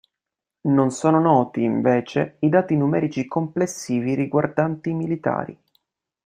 Non sono noti, invece, i dati numerici complessivi riguardanti i militari.